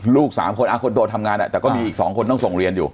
๓คนคนโตทำงานแต่ก็มีอีก๒คนต้องส่งเรียนอยู่